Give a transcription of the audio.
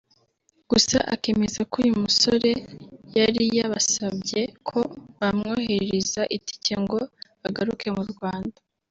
gusa akemeza ko uyu musore yari yabasabye ko bamwoherereza itike ngo agaruke mu Rwanda